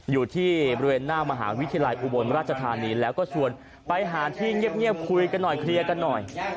อยู่ที่บริเวณหน้ามหาวิทยาลัยอุบลราชธานีแล้วก็ชวนไปหาที่เงียบคุยกันหน่อยเคลียร์กันหน่อย